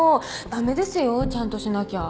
駄目ですよちゃんとしなきゃ。